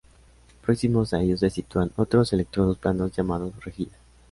Próximos a ellos se sitúan otros electrodos planos, llamados "rejillas".